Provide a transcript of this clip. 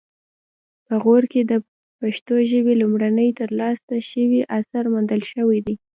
په غور کې د پښتو ژبې لومړنی ترلاسه شوی اثر موندل شوی دی